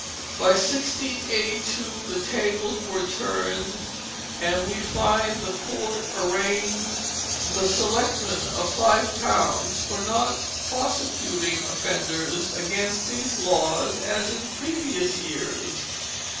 By 1682 the tables were turned and we find the Court arraigning the selectmen of five towns for not prosecuting offenders against these laws as in previous years.